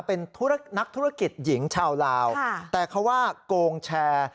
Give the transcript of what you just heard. เป็นนักธุรกิจหญิงชาวลาวแต่เขาว่าโกงแชร์